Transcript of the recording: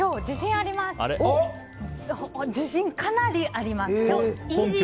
今日、自信かなりあります。